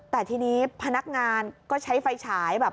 แต่ทีนี้พนักงานก็ใช้ไฟฉายแบบ